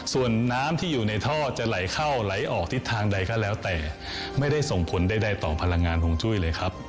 ส่วนน้ำที่อยู่ในท่อจะไหลเข้าไหลออกทิศทางใดก็แล้วแต่ไม่ได้ส่งผลใดต่อพลังงานฮงจุ้ยเลยครับ